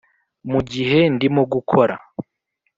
mugihe ndimo gukora' '